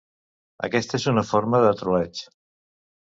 Aquesta és una forma de troleig.